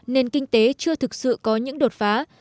nền kinh tế chưa thực sự có những đột phá